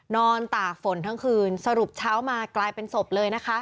ตากฝนทั้งคืนสรุปเช้ามากลายเป็นศพเลยนะคะ